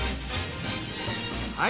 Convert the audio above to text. はい！